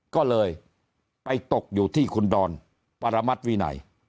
ก็เลยไปตกอยู่ที่คุณดอนปรมัติวินัย